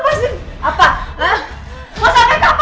bisa pengen membahas dengan anda